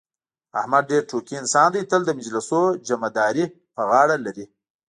احمد ډېر ټوکي انسان دی، تل د مجلسونو جمعه داري په غاړه لري.